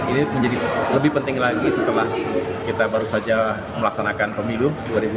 ini menjadi lebih penting lagi setelah kita baru saja melaksanakan pemilu dua ribu dua puluh